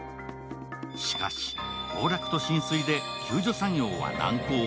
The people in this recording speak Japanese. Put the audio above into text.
しかし、崩落と浸水で救助作業は難航。